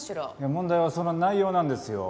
問題はその内容なんですよ。